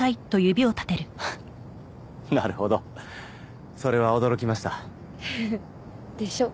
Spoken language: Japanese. なるほどそれは驚きましたふふっでしょ？